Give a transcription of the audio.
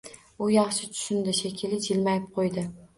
U yaxshi tushundi shekilli, jilmayib qoʻydi